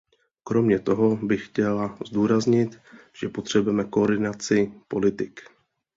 Kromě toho bych chtěla zdůraznit, že potřebujeme koordinaci politik.